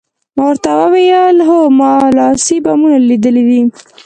ما ورته ځواب ورکړ، هو، ما لاسي بمونه لیدلي دي.